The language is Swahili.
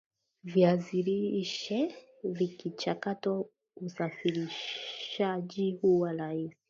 viazi lishe vikichakatwa usafirishajihuwa rahisi